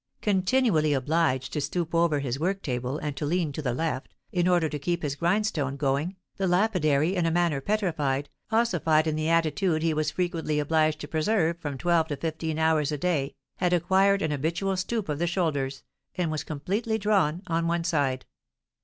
Continually obliged to stoop over his work table and to lean to the left, in order to keep his grindstone going, the lapidary, in a manner petrified, ossified in the attitude he was frequently obliged to preserve from twelve to fifteen hours a day, had acquired an habitual stoop of the shoulders, and was completely drawn on one side.